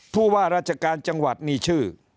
ผู้ว่าราชการจังหวัดนี่ชื่อ